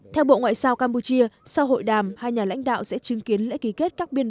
theo bộ ngoại giao campuchia sau hội đàm hai nhà lãnh đạo sẽ chứng kiến lễ ký kết các biên